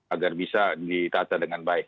agar bisa ditata dengan baik